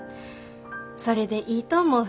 それでいいと思う。